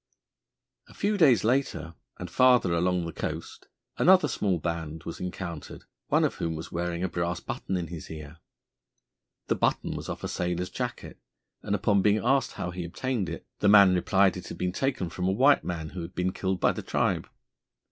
A few days later and farther along the coast another small band was encountered, one of whom was wearing a brass button in his ear. The button was off a sailor's jacket, and upon being asked how he obtained it, the man replied it had been taken from a white man who had been killed by the tribe.